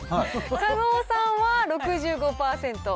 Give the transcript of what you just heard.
狩野さんは６５％。